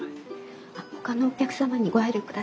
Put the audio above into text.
ほかのお客様にご配慮ください。